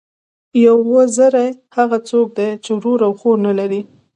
یو وزری، هغه څوک دئ، چي ورور او خور نه لري.